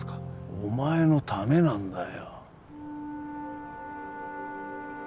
お前のためなんだよ